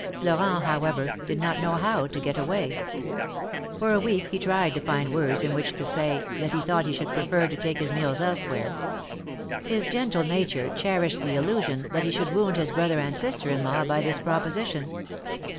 Florent, however, did not know how to get away. For a week he tried to find words in which to say, that he thought he should prefer to take his meals elsewhere. His gentle nature cherished the illusion that he should wound his brother and his sister in law by this proposition.